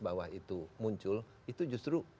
bawah itu muncul itu justru